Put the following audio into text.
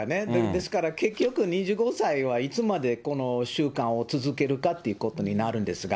ですから結局、２５歳はいつまで、この習慣を続けるかということになるんですが。